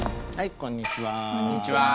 こんにちは。